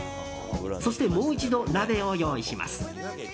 そして、もう一度鍋を用意します。